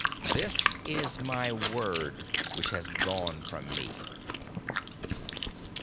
This is my Word which has gone from me."